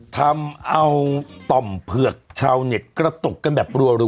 ทำเอาต่อมเผือกชาวเน็ตกระตุกกันแบบรัว